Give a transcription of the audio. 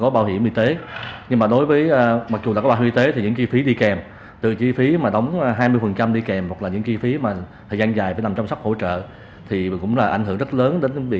bệnh viện ung bú tp hcm